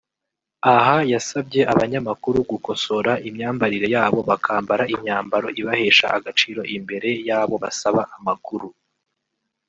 aha yasabye abanyamakuru gukosora imyambarire yabo bakambara imyambaro ibahesha agaciro imbere y’abo basaba amakuru